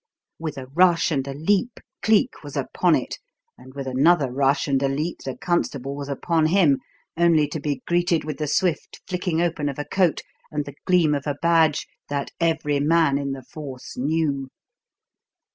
With a rush and a leap Cleek was upon it, and with another rush and a leap the constable was upon him, only to be greeted with the swift flicking open of a coat and the gleam of a badge that every man in the force knew.